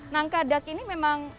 nangka dac ini memang